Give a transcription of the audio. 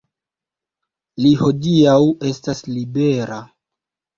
Li hodiaŭ estas libera.